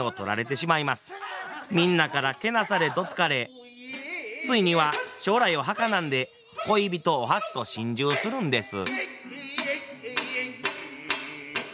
みんなからけなされどつかれついには将来をはかなんで恋人お初と心中するんです。